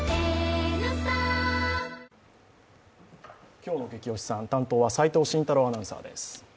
今日のゲキ推しさん、担当は齋藤晋太郎アナウンサーです。